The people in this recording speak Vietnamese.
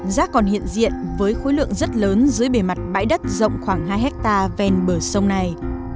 rác còn hiện diện với khối lượng rất lớn dưới bề mặt bãi đất rộng khoảng hai hectare ven bờ sông này